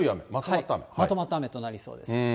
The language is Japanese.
まとまった雨となりそうです。